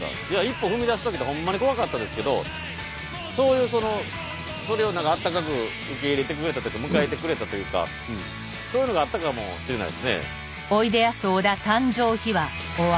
一歩踏み出すときってほんまに怖かったですけどとはいえそれを何かあったかく受け入れてくれたというか迎えてくれたというかそういうのがあったかもしれないですね。